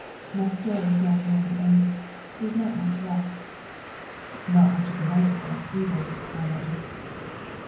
My story is now nearly ended there is not much left.' 'Not much of the night is left either,' I muttered.